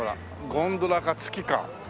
ゴンドラか月か。